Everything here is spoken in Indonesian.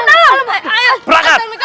masuk ke dalam